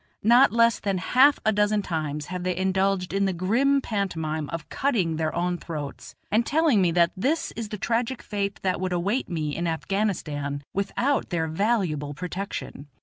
Not less than half a dozen times have they indulged in the grim pantomime of cutting their own throats, and telling me that this is the tragic fate that would await me in Afghanistan without their valuable protection.